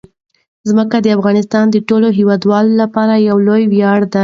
ځمکه د افغانستان د ټولو هیوادوالو لپاره یو لوی ویاړ دی.